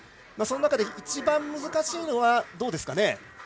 その中で一番難しいのはどうですかね。